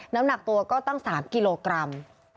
น้ำหนักตัวก็ตั้ง๓กิโลกรัม